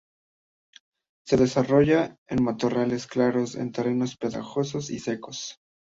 Se desarrolla en matorrales claros en terrenos pedregosos y secos.